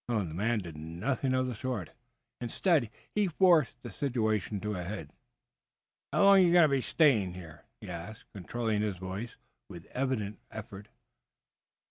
The man did nothing of the sort. Instead, he forced the situation to a head. "How long you going to stay here?" he asked, controlling his voice with evident effort.